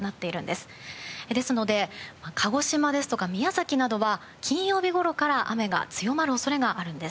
ですので鹿児島ですとか宮崎などは金曜日頃から雨が強まる恐れがあるんです。